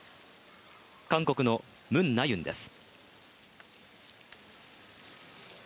韓国のムン・ナユンです。